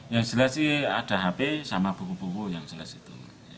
yang jelas sih ada hp sama buku buku yang jelas itu